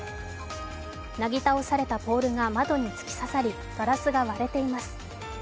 なぎ倒されたポールが窓に突き刺さりガラスが割れています。